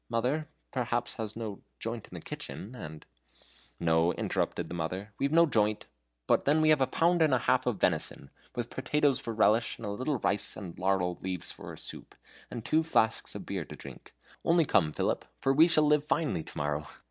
Mother perhaps has no joint in the kitchen, and " "No," interrupted the mother, "we've no joint, but then we have a pound and a and a half of venison; with potatoes for a relish, and a little rice with laurel leaves for a soup, and two flasks of beer to drink. Only come, Philip, for we shall live finely to morrow!